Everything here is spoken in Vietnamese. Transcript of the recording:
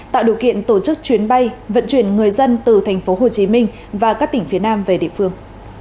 tạo điều kiện tổ chức chuyến bay vận chuyển người dân từ tp hcm và các tỉnh phía nam về địa phương